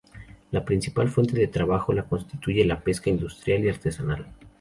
La principal fuente de trabajo la constituye la pesca industrial y artesanal.